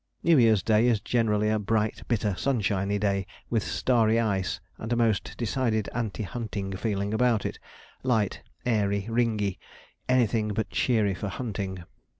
New Year's Day is generally a bright, bitter, sunshiny day, with starry ice, and a most decided anti hunting feeling about it light, airy, ringy, anything but cheery for hunting.